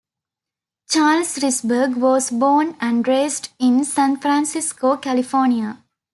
Charles Risberg was born and raised in San Francisco, California.